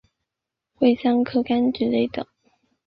芸香科柑橘类等。